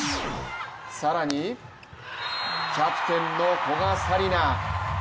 更に、キャプテンの古賀紗理那。